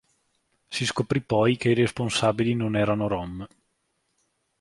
Si scoprì poi che i responsabili non erano rom.